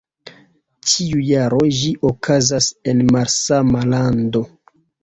Ĉiu jaro ĝi okazas en malsama lando.